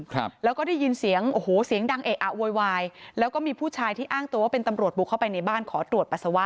ครับแล้วก็ได้ยินเสียงโอ้โหเสียงดังเอะอะโวยวายแล้วก็มีผู้ชายที่อ้างตัวว่าเป็นตำรวจบุกเข้าไปในบ้านขอตรวจปัสสาวะ